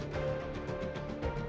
pada bulan januari